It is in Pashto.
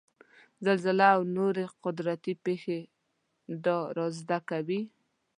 زلزله او نورې قدرتي پېښې دا رازد کوي.